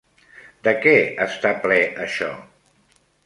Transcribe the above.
De què està ple això?